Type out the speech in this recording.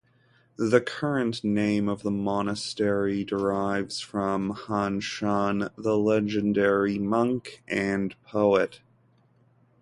The current name of the monastery derives from Hanshan, the legendary monk and poet.